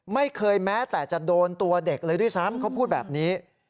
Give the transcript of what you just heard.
ไม่เคยแม้แต่จะโดนตัวเด็กเลยด้วยซ้ำเขาพูดแบบนี้